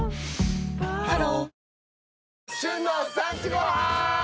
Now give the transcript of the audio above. ハロー